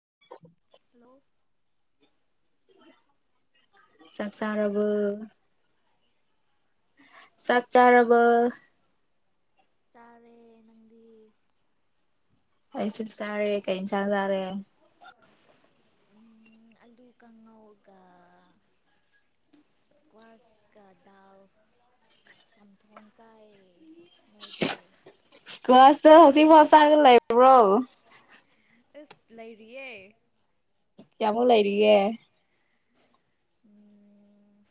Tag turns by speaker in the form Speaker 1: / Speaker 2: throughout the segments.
Speaker 1: [inaudible]
Speaker 2: Hello.
Speaker 1: ꯆꯥꯛꯆꯥꯥꯔꯕꯣ
Speaker 2: hello
Speaker 1: . ꯆꯥꯛ ꯆꯥꯔꯕꯣ꯫
Speaker 2: ꯆꯥꯔꯦ ꯅꯪꯗꯤ꯫
Speaker 1: ꯑꯩ ꯆꯥꯛ ꯆꯔꯦ ꯀꯩꯟ ꯏꯟꯁꯥꯡ ꯆꯥꯥꯔꯦ꯫
Speaker 2: ꯎꯝ ꯑꯂꯨ ꯀꯥꯡꯉꯧꯒ ꯫ ꯏꯁꯀ꯭ꯋꯥꯁꯀ ꯗꯥꯜ ꯆꯝꯊꯣꯡ ꯆꯥꯏ ꯅꯣꯏꯗꯤ꯫
Speaker 1: ꯏꯁꯀꯁ ꯍꯖꯤꯛ ꯃꯅꯥꯒ ꯂꯩꯕ꯭ꯔꯣ
Speaker 2: ꯏꯁꯁ ꯂꯩꯔꯤꯌꯦ
Speaker 1: ꯀꯌꯥꯃꯨꯛ ꯂꯩꯔꯤꯌꯦ
Speaker 2: ꯎ [unintelligible]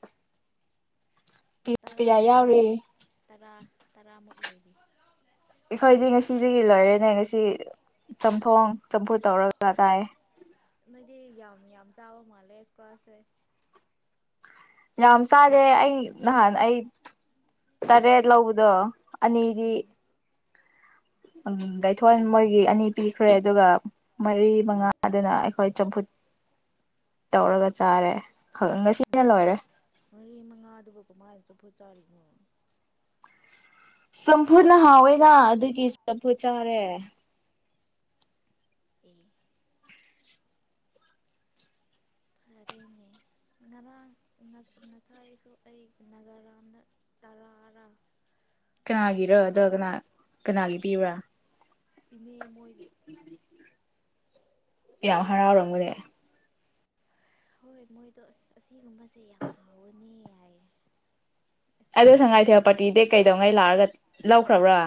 Speaker 1: ꯄꯤꯁ ꯀꯌꯥ ꯌꯥꯎꯔꯤ
Speaker 2: ꯂꯩꯔꯤ ꯇꯔꯥ ꯇꯔꯥꯃꯨꯛ ꯂꯩꯔꯤ
Speaker 1: ꯑꯩꯈꯣꯏꯗꯤ ꯉꯁꯤꯗꯒꯤ ꯂꯣꯏꯔꯦꯅꯦ ꯉꯁꯤ ꯆꯝꯊꯣꯡ
Speaker 2: ꯑꯁ
Speaker 1: ꯆꯝꯐꯨꯠ ꯇꯧꯔꯒ ꯆꯥꯏ
Speaker 2: ꯅꯣꯏꯗꯤ ꯌꯥꯝ ꯌꯥꯝ ꯆꯥꯕ ꯃꯥꯜꯂꯦ ꯏꯁꯀ꯭ꯋꯥꯁꯦ
Speaker 1: ꯌꯥꯝ ꯆꯥꯗꯦ ꯑꯩ ꯅꯍꯥꯟ ꯑꯩ ꯇꯔꯦꯠ ꯂꯧꯕꯗꯣ ꯑꯅꯤꯗꯤ
Speaker 2: ꯎꯝ
Speaker 1: ꯚꯩꯊꯣꯟ ꯃꯣꯏꯒꯤ ꯑꯅꯤ ꯄꯤꯈ꯭ꯔꯦ ꯑꯗꯨꯒ ꯃꯔꯤ ꯃꯉꯥꯗꯨꯅ ꯑꯩꯈꯣꯏ ꯆꯝꯐꯨꯠ ꯇꯧꯔꯒ ꯆꯥꯔꯦ ꯉꯁꯤꯅ ꯂꯣꯏꯔꯦ
Speaker 2: ꯃꯔꯤ ꯃꯉꯥꯗꯨꯕꯨ ꯀꯨꯝꯃꯥꯏꯅꯁꯨ ꯄꯨꯖꯔꯤ
Speaker 1: ꯆꯝꯐꯨꯅ ꯍꯥꯎꯋꯦꯅ ꯑꯗꯨꯒꯤ ꯆꯝꯐꯨꯠ ꯆꯥꯔꯦ
Speaker 2: ꯄ [unintelligible] ꯐꯔꯦꯅꯦ ꯉꯔꯥꯡ ꯉꯁꯥꯏꯁꯨ ꯑꯩ ꯅꯥꯒꯥꯔꯥꯗ ꯇꯔꯥꯔꯥ
Speaker 1: ꯀꯅꯥꯒꯤꯔꯣ ꯑꯗ
Speaker 2: ꯄꯨꯈꯤꯕꯅꯦ
Speaker 1: ꯀꯅꯥ ꯀꯅꯥꯒꯤ ꯄꯤꯕ꯭ꯔꯥ
Speaker 2: ꯏꯅꯦ ꯃꯣꯏꯒꯤ
Speaker 1: ꯌꯥꯝ ꯍꯔꯥꯎꯔꯒꯅꯦ
Speaker 2: ꯍꯣꯏ ꯃꯣꯏꯗꯣ ꯑꯁ ꯑꯁꯤꯒꯨꯝꯕꯁꯦ ꯌꯥꯝ ꯍꯥꯎꯋꯅꯤ ꯌꯥꯌꯦ
Speaker 1: ꯑꯗꯨ ꯁꯉꯥꯏꯊꯜ ꯄꯥꯔꯇꯤꯗꯤ ꯀꯩꯗꯧꯉꯩ ꯂꯥꯛꯑꯒ ꯂꯧꯈ꯭ꯔꯕ꯭ꯔꯥ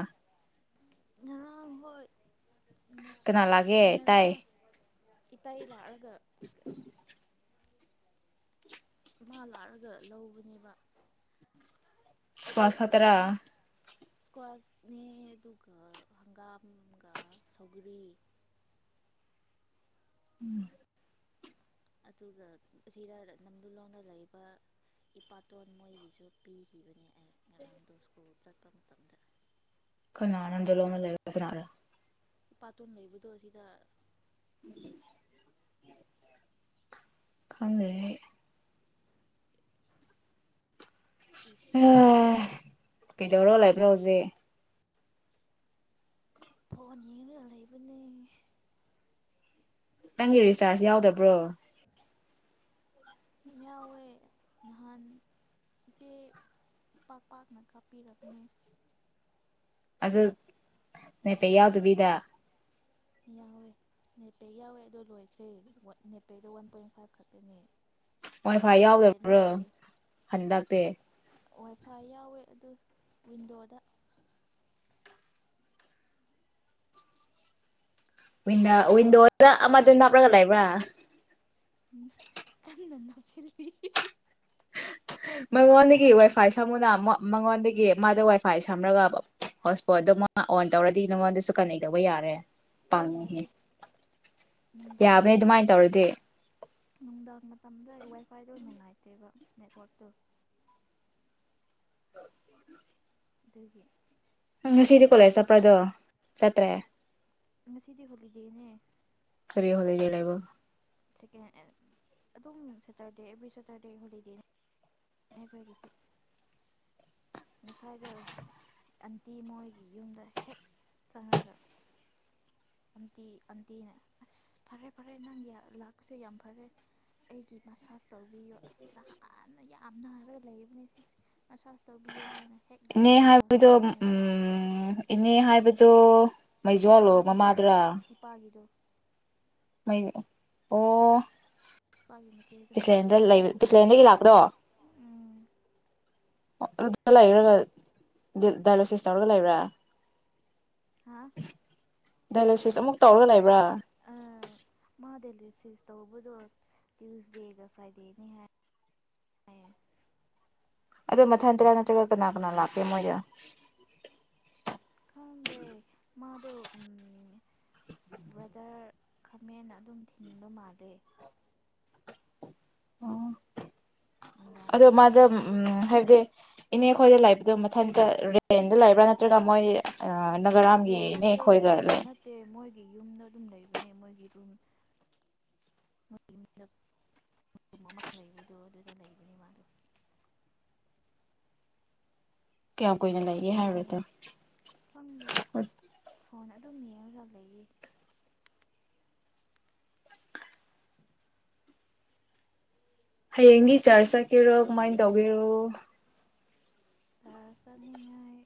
Speaker 2: ꯉꯔꯝ ꯍꯣꯏ
Speaker 1: ꯀꯅꯥ ꯂꯥꯛꯒꯦ ꯇꯥꯏ
Speaker 2: ꯉꯔꯥꯡ ꯏꯇꯩ ꯂꯥꯛꯑꯔꯒ ꯃꯥ ꯂꯥꯛꯑꯒ ꯂꯧꯕꯅꯦꯕ
Speaker 1: ꯁꯨꯕꯥꯁ
Speaker 2: ꯑꯗꯨꯒ
Speaker 1: ꯈꯛꯇꯔꯥ
Speaker 2: ꯏꯁꯀ꯭ꯋꯥꯁꯅꯦ ꯑꯗꯨꯒ ꯍꯪꯒꯥꯝꯒ ꯁꯧꯒꯔꯤ
Speaker 1: ꯎꯝ
Speaker 2: ꯑꯗꯨꯒ ꯁꯤꯔ ꯅꯝꯗꯨ ꯂꯣꯡꯗ ꯂꯩꯕ ꯏꯄꯥꯇꯣꯟ ꯃꯣꯏꯒꯤꯁꯨ ꯄꯤꯈꯤꯕꯅꯦ ꯑꯩ ꯉꯔꯥꯡꯗ ꯁ꯭ꯀꯨꯜ ꯆꯠꯄ ꯃꯇꯝꯗ
Speaker 1: ꯀꯅꯥꯔꯗꯂꯣꯅ ꯂꯩ ꯀꯅꯔꯥ
Speaker 2: ꯄꯥꯇꯣꯟ ꯂꯩꯕꯗꯣ ꯑꯁꯤꯗ
Speaker 1: ꯎ [unintelligible] ꯈꯗ꯭ꯔꯦ ꯑꯩ
Speaker 2: ꯏꯁ
Speaker 1: ꯑꯣꯝ ꯀꯩꯗꯧꯔꯣ ꯂꯥꯏꯕꯂ ꫭꯍꯧꯁꯦ
Speaker 2: ꯐꯣꯟ ꯌꯤꯡꯂꯒ ꯂꯩꯕꯅꯦ
Speaker 1: ꯅꯪꯒꯤ ꯔꯤꯆꯥꯔꯖ ꯌꯥꯎꯗꯕ꯭ꯔꯣ
Speaker 2: ꯌꯥꯎꯋꯦ ꯅꯍꯥꯟ ꯏꯆꯦ ꯄꯥꯛ ꯄꯥꯛꯅ ꯀꯥꯞꯄꯤꯔꯕꯅꯦ
Speaker 1: ꯑꯗ ꯅꯤꯠ ꯄꯤꯛ ꯌꯥꯎꯗꯕꯤꯗ
Speaker 2: ꯌꯥꯎꯋꯦ ꯅꯦꯄꯦ ꯌꯥꯎꯋꯦ ꯑꯣ ꯂꯣꯏꯈ꯭ꯔꯦ ꯅꯦꯄꯦꯗ ꯋꯥꯟ ꯄꯣꯏꯟ ꯐꯥꯏꯚ ꯈꯛꯇꯅꯦ
Speaker 1: ꯋꯥꯥꯏ ꯐꯥꯏ
Speaker 2: ꯑꯟꯂꯤꯃꯤꯇꯦꯠ
Speaker 1: ꯌꯥꯎꯗꯕ꯭ꯔꯣ
Speaker 2: ꯅꯠꯇꯦ
Speaker 1: ꯍꯟꯗꯛꯇꯤ
Speaker 2: ꯋꯥꯏꯐꯥꯏ ꯌꯥꯎꯋꯦ ꯑꯗꯨ ꯋꯤꯟꯗꯣꯗ
Speaker 1: ꯋꯟꯋꯟꯗꯣꯗ ꯑꯃꯗꯨ ꯅꯅꯥꯕ꯭ꯔꯒ ꯂ ꯂꯩꯕ꯭ꯔꯥ
Speaker 2: ꯎ ꯀꯟꯅ [inaudible] ꯁꯤꯜꯂꯤ
Speaker 1: ꯃꯉꯣꯟꯗꯒꯤ ꯋꯥꯏꯐꯥꯏ ꯁꯝꯃꯨꯅ ꯃꯉꯣꯟꯗꯒꯤ ꯃꯥꯗ ꯋꯥꯏꯐꯥꯏ ꯁꯝꯃꯒ ꯍꯣꯠ ꯏꯁꯄꯣꯠꯗꯣ ꯃꯥ ꯑꯣꯟ ꯇꯧꯔꯗꯤ ꯅꯉꯣꯟꯗꯁꯨ ꯀꯥꯟꯅꯦꯛꯇꯧꯕ ꯌꯥꯔꯦ ꯄꯥꯡꯉꯤꯍꯦ
Speaker 2: ꯌꯥꯗꯦ ꯅꯨꯡꯗꯥꯡ
Speaker 1: ꯌꯥꯕꯅꯦ ꯑꯗꯨꯃꯥꯏꯅ ꯇꯧꯔꯗꯤ
Speaker 2: ꯅꯨꯡꯗꯥꯡ ꯃꯇꯝꯗ ꯋꯥꯏ ꯈ꯭ꯋꯥꯏꯗꯣ ꯅꯨꯡꯉꯥꯏꯇꯦꯕ ꯅꯦꯠꯋꯔꯛꯇꯣ ꯑꯗꯨꯗꯒꯤ
Speaker 1: ꯉꯁꯤꯗꯤ ꯀꯣꯂꯦꯖ ꯆꯠꯄ꯭ꯔꯗꯣ ꯆꯠꯇ꯭ꯔꯦ
Speaker 2: ꯉꯁꯤꯗꯤ ꯍꯣꯂꯤꯗꯦꯅꯦ
Speaker 1: ꯈꯔꯔꯤ ꯍꯣꯂꯤꯗꯦ ꯂꯩꯕ
Speaker 2: ꯁꯦꯀꯦꯟ ꯑꯗꯨꯝ ꯁꯦꯇꯔꯗꯦ ꯑꯦꯕ꯭ꯔꯤ ꯁꯦꯇꯔꯗꯦ ꯍꯣꯂꯤꯗꯦ ꯑꯩꯈꯣꯏꯒꯤꯗꯤ ꯉꯁꯥꯏꯗ ꯑꯟꯇꯤ ꯃꯣꯏꯒꯤ ꯌꯨꯝꯗ ꯍꯦꯛ ꯆꯪꯉꯒ ꯑꯝꯇꯤ ꯑꯝꯇꯤꯅ ꯑꯁ ꯐꯔꯦ ꯐꯔꯦ ꯅꯪ ꯂꯥꯛꯄꯁꯦ ꯌꯥꯝ ꯐꯔꯦ ꯑꯩꯒꯤ ꯃꯁꯥꯁ ꯇꯧꯕꯤꯌꯣ ꯑꯁ ꯍꯥꯟꯟꯅ ꯌꯥꯝ ꯅꯥꯔꯒ ꯂꯩꯕꯅꯦ ꯃꯁꯥꯁ ꯇꯧꯕꯤꯌꯣ ꯍꯥꯏꯅ ꯍꯦꯛ
Speaker 1: ꯏꯅꯦ
Speaker 2: ꯂꯥꯛꯔꯒ ꯃꯁꯥꯁ
Speaker 1: ꯍꯥꯏꯕꯗꯣ
Speaker 2: ꯇꯧꯕꯅꯦ
Speaker 1: ꯎꯝ ꯏꯅꯦ ꯍꯥꯏꯕꯗ ꯇꯣ ꯃꯩꯖꯣꯜꯂꯣ
Speaker 2: ꯏꯄꯥꯒꯤꯗꯣ
Speaker 1: ꯃꯃꯥꯗ꯭ꯔꯥ
Speaker 2: ꯏꯄꯥꯒꯤꯗꯣ
Speaker 1: ꯃꯩ ꯑꯣ
Speaker 2: ꯏꯄꯥꯒꯤ ꯃꯆꯦꯗꯣ
Speaker 1: ꯄꯁꯂꯗ ꯂꯩꯕ ꯄꯤꯁꯁꯂꯦꯟꯗꯒꯤ ꯂꯥꯛꯇ꯭ꯔꯣ
Speaker 2: ꯎꯝ
Speaker 1: ꯑꯗꯨ ꯂꯩ꯭ꯔꯒ ꯗꯥꯏꯂꯣꯁꯤꯁ ꯇꯧꯔꯒ ꯂꯩꯕ꯭ꯔꯥ
Speaker 2: ꯍꯥ
Speaker 1: ꯗꯥꯏꯂꯦꯁꯤꯁ ꯑꯃꯨꯛ ꯇꯧꯔꯒ ꯂꯩꯕ꯭ꯔꯥ
Speaker 2: ꯑ ꯃꯥ ꯇꯂꯁꯤ ꯦꯁ ꯇꯧꯕꯗꯣ ꯇ꯭ꯌꯨꯁꯗꯦꯒ ꯐ꯭ꯔꯥꯏꯗꯦꯅꯤ ꯍꯥꯏꯦ
Speaker 1: ꯑꯗꯨꯗꯣ ꯃꯊꯪ ꯇꯔꯥ ꯅꯠꯇ꯭ꯔꯒ ꯀꯅꯥ ꯀꯅꯥ ꯂꯥꯛꯀꯦ ꯃꯣꯏꯗ
Speaker 2: ꯀꯗꯦ ꯃꯥ ꯑ ꯕ꯭ꯔꯗꯔ ꯈꯥꯃꯦꯟ ꯑꯗꯨꯝ ꯊꯤꯟꯕ ꯃꯥꯜꯂꯦ
Speaker 1: ꯑꯣ ꯑꯗꯣ
Speaker 2: ꯅꯨꯡꯗꯥꯡꯗꯅꯦ
Speaker 1: ꯃꯥꯗ
Speaker 2: ꯍꯥꯏꯌꯦ
Speaker 1: ꯎꯝ
Speaker 2: ꯆꯠꯄꯗꯣ
Speaker 1: ꯍꯥꯏꯕꯗꯤ ꯏꯅꯦ ꯑꯩꯈꯣꯏꯗ ꯂ ꯑꯗꯨ ꯃꯊꯟꯇ ꯔꯦꯟꯗ ꯂꯩꯕ꯭ꯔꯥ ꯅꯠꯇ꯭ꯔꯒ ꯃꯣꯏ ꯑ
Speaker 2: ꯔꯦꯟ
Speaker 1: ꯅꯅꯥꯒꯔꯥꯝꯒꯤꯅꯦ
Speaker 2: ꯅꯠꯇꯦ
Speaker 1: ꯑꯩꯈꯣꯏꯒ
Speaker 2: ꯔꯦꯟ
Speaker 1: ꯂꯩ
Speaker 2: ꯅꯠꯇꯦ ꯃꯣꯏꯒꯤ ꯌꯨꯝꯗ ꯑꯗꯨꯝ ꯂꯩꯕꯅꯦ ꯃꯣꯏꯒꯤ ꯔꯨꯝꯣꯏꯒꯤ ꯌꯨꯝꯗ ꯔꯨꯝ ꯑꯃ ꯂꯩꯕꯗꯣ ꯑꯗꯨꯗ ꯂꯩꯕꯅꯦ ꯃꯥꯗꯣ
Speaker 1: ꯀꯌꯥꯝ ꯀꯨꯏꯅ ꯂꯩꯒꯦ
Speaker 2: ꯐꯣꯟ
Speaker 1: ꯍꯥꯏꯔꯣ
Speaker 2: ꯌꯦꯡ ꯈꯪꯗꯦ ꯐꯣꯟ ꯑꯗꯨꯝ ꯌꯦꯡꯉꯒ ꯂꯩꯌꯦ
Speaker 1: ꯍꯌꯦꯡꯒꯤ ꯆꯥꯔꯖ ꯆꯀꯤꯦꯔꯣ ꯀꯃꯥꯏꯅ ꯇꯧꯒꯦꯔꯣ
Speaker 2: ꯁꯥꯔ ꯆꯠꯅꯤꯡꯉꯥꯏ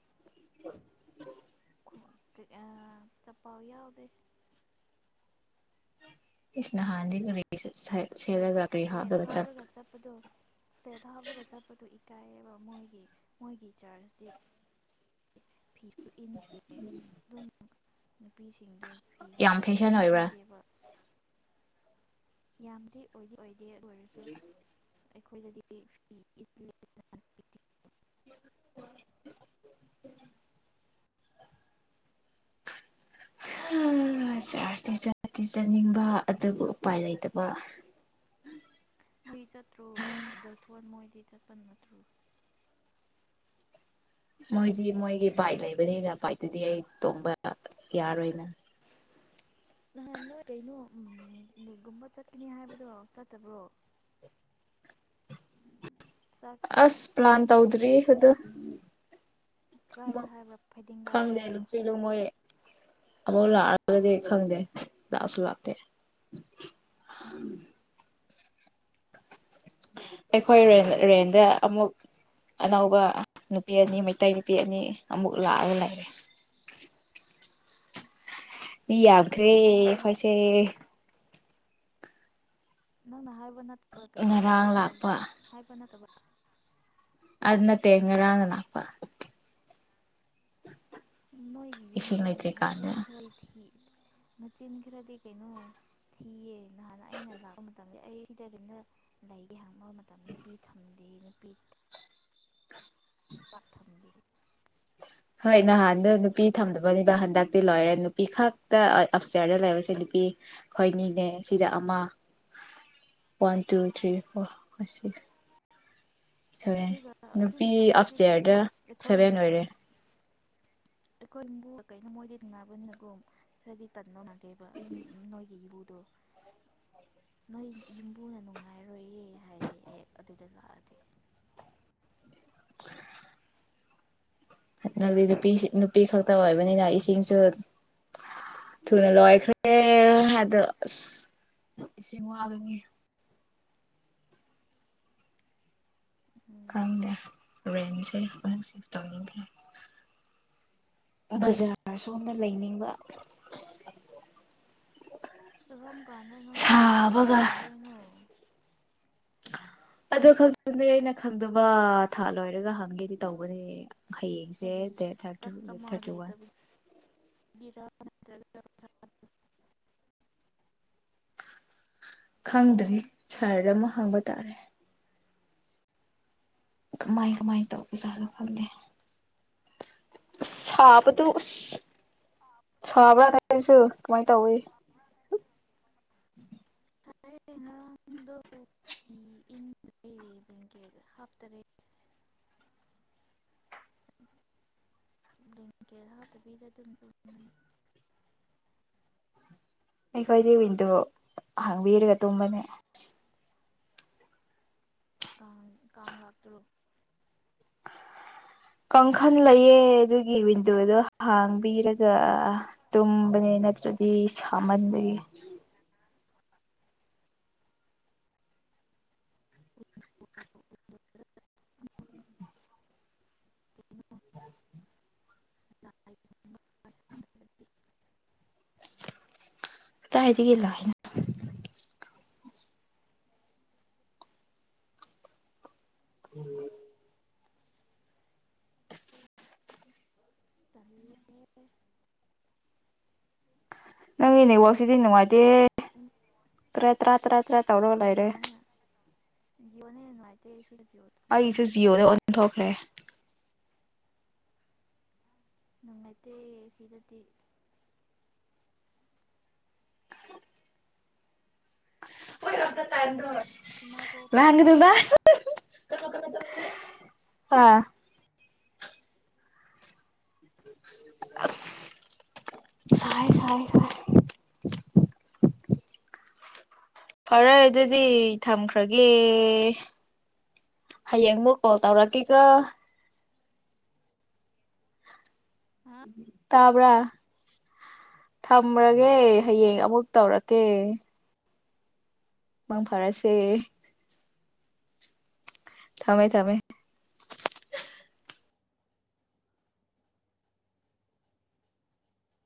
Speaker 1: ꯎ
Speaker 2: ꯆꯥꯞꯄꯥ ꯑꯣꯏꯗ
Speaker 1: ꯏꯁ ꯅꯍꯥꯟꯗꯤꯔꯤꯀꯤꯁꯤꯠ
Speaker 2: ꯐ꯭ꯂꯦꯠ-ꯐ꯭ꯂꯦꯠ ꯍꯥꯞꯔꯒ ꯆꯠꯄꯗꯣ ꯐ꯭ꯂꯦꯠ ꯍꯥꯞꯄꯒ ꯆꯠꯄꯗꯣ ꯀꯥꯏꯋꯦꯕ ꯃꯣꯏꯒꯤ-ꯃꯣꯏꯒꯤ ꯆꯥꯔ꯭ꯁꯇꯤ ꯐꯤ ꯁꯨꯚ ꯏꯟ ꯏꯦ ꯅꯦ ꯕꯤ ꯁꯤ ꯗꯣ ꯐꯤ
Speaker 1: ꯌꯥꯝ ꯐꯦꯁꯟ
Speaker 2: ꯁꯨꯛꯏꯟ
Speaker 1: ꯑꯣꯏꯕ꯭ꯔꯥ
Speaker 2: ꯏꯟꯗꯦꯕ ꯌꯥꯝꯗꯤ ꯑꯣꯏꯗꯤ-ꯑꯣꯏ ꯑꯦꯠ ꯑꯣꯏꯔꯁꯨ ꯑꯩꯈꯣꯏꯗꯗꯤ ꯐꯤ [unintelligible]
Speaker 1: [inaudible] ꯍꯥꯍ ꯆꯥꯔ꯭ꯥꯁꯇꯤ ꯆꯗꯤ ꯆꯥꯅꯤꯡꯕ ꯑꯗꯨꯕꯨ ꯎꯄꯥꯏ ꯂꯩꯇꯕ
Speaker 2: ꯃꯤ ꯆꯠꯇ꯭ꯔꯣ ꯒꯩꯊꯣꯟ ꯃꯣꯏꯗꯤ ꯆꯠꯄ ꯅꯠꯊ꯭ꯔꯨ
Speaker 1: ꯃꯣꯏꯗꯤ-ꯃꯣꯏꯒꯤ ꯕꯥꯏꯠ ꯂꯩꯕꯅꯤꯅ ꯕꯥꯏꯠꯇꯨꯗꯤ ꯑꯩ ꯇꯣꯡꯕ-ꯑꯥ ꯌꯥꯔꯣꯏꯅ
Speaker 2: ꯅꯍꯥꯟ ꯅꯣꯏ ꯀꯩꯅꯣ ꯎꯝ ꯅꯤꯛꯒꯨꯝꯕ ꯆꯠꯀꯅꯤ ꯍꯥꯏꯕꯗꯣ ꯆꯠꯇꯕ꯭ꯔꯣ ꯆꯥꯛ
Speaker 1: ꯑꯁ ꯄ꯭ꯂꯥꯟ ꯇꯧꯗ꯭ꯔꯤ ꯑꯗꯨ
Speaker 2: ꯀꯥꯏꯗ ꯍꯥꯏꯕ꯭ꯔꯥ ꯐꯩꯗꯤꯡꯒꯥꯥꯗ
Speaker 1: ꯈꯪꯗꯦ
Speaker 2: ꯍꯥꯏꯕ꯭ꯔꯥ
Speaker 1: ꯂꯨꯆꯤ ꯂꯨꯃꯣꯏ ꯑꯃꯨꯛ ꯂꯥꯛꯑꯒꯗꯤ ꯈꯪꯗꯦ ꯂꯥꯛꯑꯁꯨ ꯂꯥꯛꯇꯦ ꯑꯩꯈꯣꯏ ꯔꯦꯟꯗ-ꯔꯦꯟꯗ ꯑꯃꯨꯛ ꯑꯅꯧꯕ ꯅꯨꯄꯤ ꯑꯅꯤ ꯃꯩꯇꯩ ꯅꯨꯄꯤ ꯑꯅꯤ ꯑꯃꯨꯛ ꯂꯥꯛꯑꯒ ꯂꯩꯔꯦ ꯃꯤ ꯌꯥꯝꯈ꯭ꯔꯦ
Speaker 2: ꯅꯍꯥꯟ ꯅꯪ ꯍꯥꯏꯕ
Speaker 1: ꯑꯩꯈꯣꯏꯁꯦ
Speaker 2: ꯅꯠꯇꯕ ꯅꯪꯅ ꯍꯥꯏꯕ ꯅꯠ ꯀꯩ
Speaker 1: ꯉꯔꯥꯡ
Speaker 2: ꯔꯥꯁ꯭ꯔ
Speaker 1: ꯂꯥꯛꯄ
Speaker 2: ꯍꯥꯏ ꯄ ꯅ ꯇ [unintelligible]
Speaker 1: ꯑꯗꯨ ꯅꯠꯇꯦ ꯉꯔꯥꯡ ꯂꯥꯛꯄ
Speaker 2: ꯅꯣꯏꯒꯤ ꯌꯨꯝꯕꯨ
Speaker 1: ꯏꯁꯤꯡ
Speaker 2: ꯃꯆꯤꯟ
Speaker 1: ꯂꯩꯇ꯭ꯔꯤꯀꯥꯟꯗ
Speaker 2: ꯈꯔ ꯊꯤ ꯃꯆꯤꯟ ꯈꯔꯗꯤ ꯀꯩꯅꯣ ꯊꯤꯌꯦ ꯅꯍꯥꯟꯅ ꯑꯩꯅ ꯂꯥꯛꯄ ꯃꯇꯝꯂꯦ ꯑꯩꯗꯔꯤꯅꯦ ꯂꯩꯒꯤ ꯍꯥꯡꯕ ꯃꯇꯝ ꯅꯨꯄꯤ ꯊꯝꯗꯦ ꯅꯨꯄꯤ ꯄꯥ ꯊꯝꯗꯤ
Speaker 1: ꯍꯣꯏ ꯅꯍꯥꯟꯗ ꯅꯨꯄꯤ ꯊꯝꯗꯕꯅꯤꯗ ꯍꯟꯗꯛꯇꯤ ꯂꯣꯏꯔꯦ ꯅꯨꯄꯤ ꯈꯛ ꯑꯞ꯭ꯁꯇꯤꯌ꯭ꯔꯗ ꯂꯩꯕꯁꯦ ꯅꯨꯄꯤ ꯈꯣꯏꯅꯤꯅꯦ ꯁꯤꯗ ꯑꯃ one two three four five six ꯁꯣꯏꯔꯦꯟ
Speaker 2: ꯑꯗꯨꯒ ꯑꯗꯨ
Speaker 1: ꯅꯨꯄꯤ
Speaker 2: ꯃꯇꯝꯗꯗꯤ ꯀꯩꯅꯣ
Speaker 1: ꯑꯞ꯭ꯁꯇꯤꯌꯥ꯭ꯔꯗ
Speaker 2: ꯑꯩꯈꯣꯏ
Speaker 1: ꯁꯚꯦꯟ ꯑꯣꯏꯔꯦ
Speaker 2: ꯑꯩꯈꯣꯏ ꯏꯕꯨ ꯀꯩꯅꯣ ꯃꯣꯏꯗꯤ ꯇꯟꯅꯅꯕꯅꯤꯅꯒꯨꯝ ꯈꯔꯗꯤ ꯇꯟꯗꯧ ꯃꯥꯟꯦ [unintelligible] ꯑꯦꯕ ꯅꯣꯏꯒꯤ ꯌꯨ ꯇꯣ ꯅꯣꯏ ꯌꯨꯝꯕꯨꯅ ꯅꯨꯡꯉꯥꯏ ꯍꯥꯏꯔꯣꯏꯌꯦ ꯍꯥꯏꯌꯦ ꯑꯦ ꯑꯗꯨꯗ ꯂꯥꯛꯑꯗꯤ
Speaker 1: ꯅꯪꯗꯤ ꯅꯨꯄꯤꯁꯤ-ꯅꯨꯄꯤ ꯈꯛꯇ ꯑꯣꯏꯕꯅꯤꯅ ꯏꯁꯤꯡꯁꯨ ꯊꯨꯅ ꯂꯣꯏꯈ꯭ꯔꯦ ꯍꯥꯏꯗꯣ ꯑꯁ ꯏꯁꯤꯡ ꯋꯥꯒꯅꯤ
Speaker 2: ꯎꯝ
Speaker 1: ꯈꯪꯗꯦ ꯔꯦꯟꯖꯦ ꯑꯃꯨꯛ ꯁꯤꯁ ꯇꯧꯅꯤꯡꯗꯦ ꯕꯥꯖꯥꯔ ꯁꯣꯝꯗ ꯂꯩꯅꯤꯡꯕ
Speaker 2: ꯏꯔꯣꯝ ꯀꯥꯟꯗ ꯅꯪꯒꯤ ꯁꯦꯂꯔꯤ
Speaker 1: ꯁꯥꯕꯒ
Speaker 2: ꯐꯪꯗꯣꯏꯅꯣ
Speaker 1: ꯑꯣ ꯈꯗꯅꯦ ꯑꯩꯅ ꯈꯪꯗꯕ ꯊꯥ ꯂꯣꯏꯔꯒ ꯍꯪꯒꯦꯗꯤ ꯇꯧꯕꯅꯦ ꯍꯌꯦꯡꯁꯦ
Speaker 2: ꯀꯔꯤ
Speaker 1: ꯗ ꯊꯥꯔꯇꯤ
Speaker 2: ꯀꯁꯇꯃꯔ
Speaker 1: ꯊꯥꯔꯇꯤ ꯋꯥꯟ
Speaker 2: ꯀꯆꯇꯄ
Speaker 1: ꯈꯪꯗ꯭ꯔꯤ ꯁꯍꯔ ꯑꯃ ꯍꯪꯕ ꯇꯥꯔꯦ ꯀꯃꯥꯏ ꯀꯃꯥꯏ ꯇꯧꯒ ꯆꯥꯗ ꯈꯪꯗꯦ ꯁꯥꯕꯗꯨ ꯁꯥꯕ꯭ꯔꯥꯅꯁꯨ ꯀꯃꯥꯏꯅ ꯇꯧꯏ
Speaker 2: ꯁꯔ ꯉꯔꯥꯡꯗꯣ ꯐꯤ ꯏꯟꯗ꯭ꯔꯦ ꯕ꯭ꯂꯦꯡꯀꯦꯠ ꯍꯥꯞꯇꯔꯦ ꯀ ꯍꯥꯞꯇꯕꯤꯗ ꯑꯗꯨꯝ
Speaker 1: ꯑꯩꯈꯣꯏꯗꯤ ꯋꯤꯟꯗꯣ ꯍꯥꯡꯕꯤꯔꯒ ꯇꯨꯝꯕꯅꯦ
Speaker 2: ꯀꯥꯡ ꯀꯥꯡ ꯉꯥꯛ ꯇꯔꯨ
Speaker 1: ꯀꯥꯡꯪꯈꯟ ꯂꯩꯌꯦꯦ ꯑꯗꯨꯒꯤ ꯋꯤꯟꯗꯣꯗꯣ ꯍꯥꯡꯕꯤꯔꯒ ꯇꯨꯝꯕꯅꯦ ꯅꯠꯇ꯭ꯔꯗꯤ ꯁꯥꯍꯟꯕꯒꯤ ꯑ
Speaker 2: ꯌꯨꯠ
Speaker 1: ꯀꯗꯥꯏ ꯗꯒꯤ ꯂꯛ ꯑꯦꯅꯣ ꯎꯝ
Speaker 2: ꯇꯂ
Speaker 1: ꯅꯪ ꯏꯅꯦꯦꯛ ꯋꯥꯁꯤꯗꯤ ꯅꯨꯡꯉꯥꯏꯇꯦ ꯇꯔꯥ ꯇꯔꯥ ꯇꯔꯥ ꯇꯔꯥ ꯇꯧꯔꯣ ꯂꯩꯔꯦ
Speaker 2: ꯌꯅꯦꯅꯨꯡꯉꯥꯏꯇ
Speaker 1: ꯑꯩꯁꯦ ꯖꯤꯑꯣꯗ ꯑꯣꯟ ꯊꯣꯛꯈ꯭ꯔꯦ
Speaker 2: ꯅꯨꯅꯨꯡꯉꯥꯏꯠꯇꯦ ꯁꯤꯗꯗꯤ
Speaker 1: ꯇꯥꯏꯅ
Speaker 2: ꯏꯃꯥ ꯀꯣ ꯇꯧꯔꯛꯇ꯭ꯔꯣ
Speaker 1: ꯑꯥ ꯑꯁ ꯁꯥꯏ ꯁꯥꯏ ꯁꯥꯏ ꯐꯔꯦ ꯑꯗꯨꯗꯤ ꯊꯝꯈ꯭ꯔꯒꯦ ꯍꯌꯦꯡ ꯑꯃꯨꯛ ꯀꯣꯜ ꯇꯧꯔꯛꯀꯦꯒ꯫
Speaker 2: ꯍꯥ
Speaker 1: ꯇꯥꯕ꯭ꯔꯥ
Speaker 2: ꯍꯣꯏ ꯍꯣꯏ
Speaker 1: ꯊꯝꯂꯒꯦ ꯍꯌꯦꯡ ꯑꯃꯨꯛ ꯇꯧꯔꯛꯀꯦ ꯃꯥꯪ ꯐꯔꯁꯦ ꯊꯝꯃꯦ ꯊꯝꯃꯦ꯫